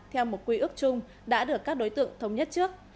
theo một quy ước chung đã được các đối tượng thống nhất trước